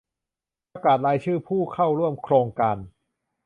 ประกาศรายชื่อผู้เข้าร่วมโครงการ